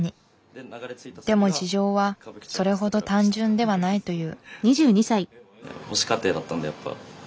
でも事情はそれほど単純ではないという。